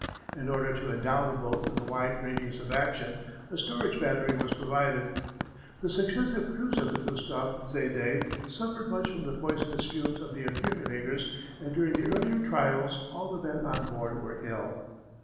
In order to endow the boat with a wide radius of action a storage battery was provided. The successive crews of the Gustave Zédé suffered much from the poisonous fumes of the accumulators, and during the earlier trials all the men on board were ill.